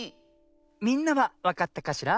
みんなはわかったかしら？